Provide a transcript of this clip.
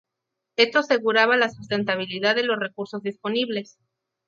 Esto aseguraba la sustentabilidad de los recursos disponibles.